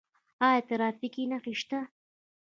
آیا ټرافیکي نښې شته؟